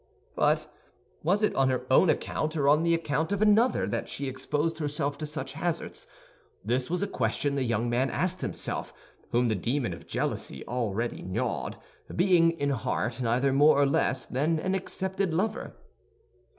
But was it on her own account, or on account of another, that she exposed herself to such hazards? This was a question the young man asked himself, whom the demon of jealousy already gnawed, being in heart neither more nor less than an accepted lover.